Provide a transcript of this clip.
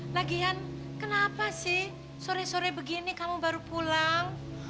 lagian kenapa sih sore sore begini kamu baru pulang